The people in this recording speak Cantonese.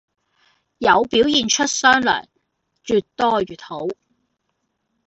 有表現出雙糧，越多越好!